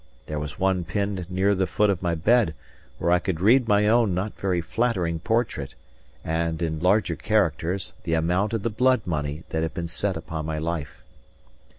There was one pinned near the foot of my bed, where I could read my own not very flattering portrait and, in larger characters, the amount of the blood money that had been set upon my life.